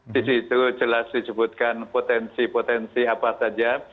di situ jelas disebutkan potensi potensi apa saja